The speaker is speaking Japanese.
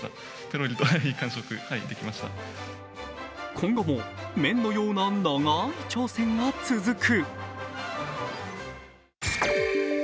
今後も麺のような長い挑戦が続く。